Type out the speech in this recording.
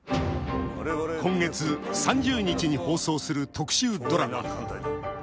今月３０日に放送する特集ドラマ。